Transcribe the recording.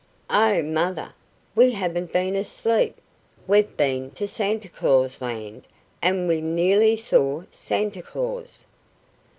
"Oh, Mother, we haven't been asleep. We've been to Santa Claus Land, and we nearly saw Santa Claus!"